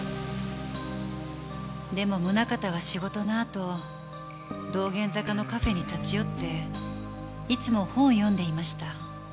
でも宗形は仕事のあと道玄坂のカフェに立ち寄っていつも本を読んでいました。